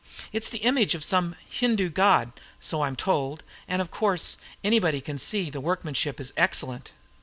It's the image of some Hindu god, so I'm told, and, of course, anybody can see that the workmanship is excellent.